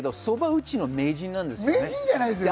そば打ちの名人なんですよね、加藤さん。